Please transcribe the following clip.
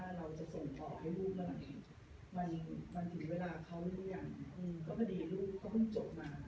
ว่าเราจะส่งต่อให้ลูกแล้วมันถือเวลาเขาหรือไม่อย่าง